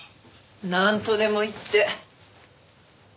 なんとでも言って。